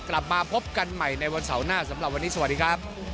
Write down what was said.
กลับมาพบกันใหม่ในวันเสาร์หน้าสำหรับวันนี้สวัสดีครับ